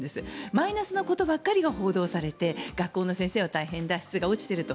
マイナスなことばかりが報道されて学校の先生は大変だ質が落ちていると。